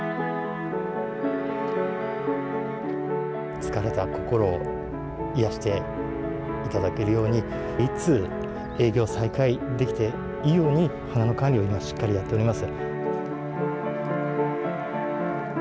疲れた心を癒やしていただけるようにといつ営業再開できてもいいように花の管理を今しっかりやっております。